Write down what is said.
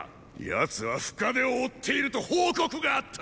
奴は深手を負っていると報告があった！